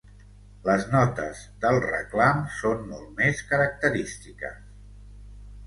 Les notes del reclam són molt més característiques.